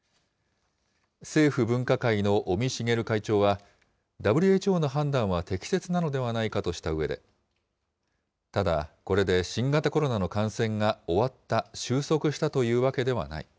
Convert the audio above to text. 政府分科会の尾身茂会長は、ＷＨＯの判断は適切なのではないかとしたうえで、ただ、これで新型コロナの感染が終わった、終息したというわけではない。